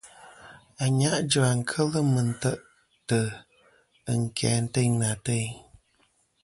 Anyajua kel mɨ tè'tɨ ɨn kæ anteynɨ ateyn.